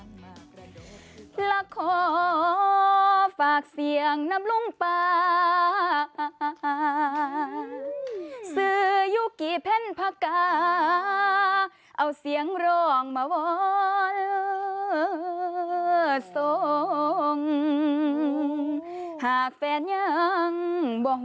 ฮู้ขอยอยู่และส่งเสริม